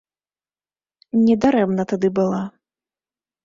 Не дарэмна тады была.